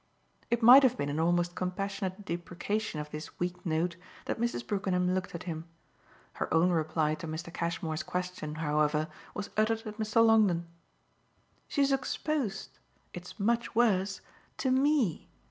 It might have been in almost compassionate deprecation of this weak note that Mrs. Brookenham looked at him. Her own reply to Mr. Cashmere's question, however, was uttered at Mr. Longdon. "She's exposed it's much worse to ME.